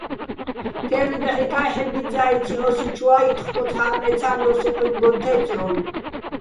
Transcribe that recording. თე́ლვი დაჵ ჲიკა́ჲ ჰ̦ე ბიძძა́იციჼ, ო́სი ჩუა́ ჲით ხკოცჰა́ჸ მე თა́მროს ეჴუ́ჲნი გოჼ თე́წჲო́ლო̆.